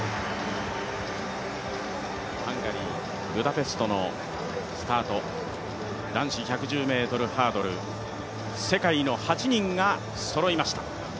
ハンガリー・ブダペストのスタート、男子１１０ｍハードル、世界の８人がそろいました。